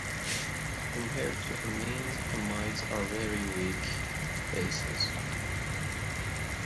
Compared to amines, amides are very weak bases.